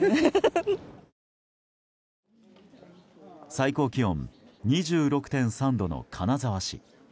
最高気温２６．３度の金沢市。